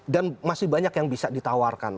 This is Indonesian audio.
dan masih banyak yang bisa ditawarkan